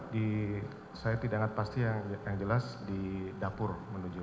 di saya tidak ingat pasti yang jelas di dapur menuju